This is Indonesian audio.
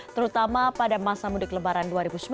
terutama pada masa mudik lebaran dua ribu sembilan belas